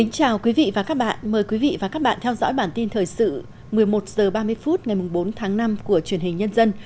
chào mừng quý vị đến với bản tin thời sự một mươi một h ba mươi phút ngày bốn tháng năm của truyền hình nhân dân